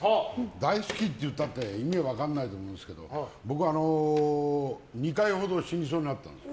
大好きって言ったって意味分かんないと思うんですけど僕、２回ほど死にそうになったんです。